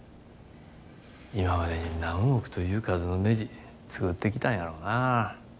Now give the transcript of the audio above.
今までに何億という数のねじ作ってきたんやろなぁ。